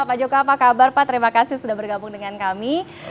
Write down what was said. pak joko apa kabar pak terima kasih sudah bergabung dengan kami